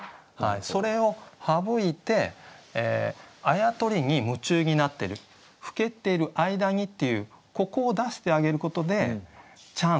それを省いてあやとりに夢中になってる耽っている間にっていうここを出してあげることでチャンスと。